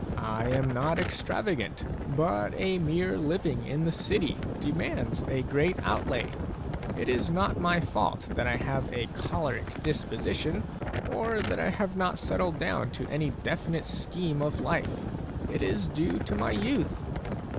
I am not extravagant, but mere living in the city demands a great outlay. It is not my fault that I have a choleric disposition, or that I have not settled down to any definite scheme of life ; it is due to my youth."